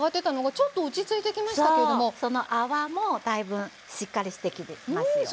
その泡もだいぶしっかりしてきてますよね。